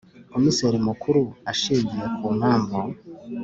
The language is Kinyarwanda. Komiseri Mukuru ashingiye ku mpamvu